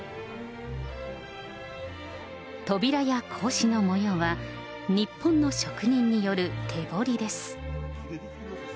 扉や格子の模様は、日本の職人による手彫りです。